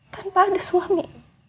tanpa ada suami